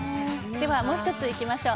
では、もう１つ行きましょう。